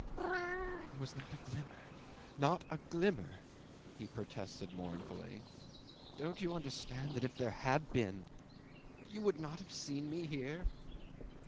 "There was not a glimmer not a glimmer," he protested mournfully. "Don't you understand that if there had been, you would not have seen me here?